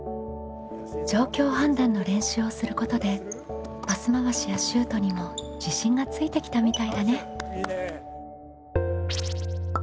状況判断の練習をすることでパス回しやシュートにも自信がついてきたみたいだね。